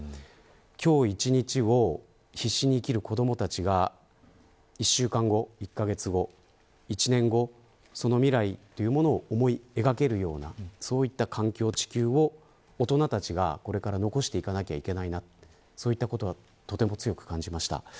今日１日を必死に生きる子どもたちが１週間後、１カ月後、１年後その未来というものを思い描けるようなそういった環境や地球を大人たちがこれから残していかなきゃいけないなと強く感じました。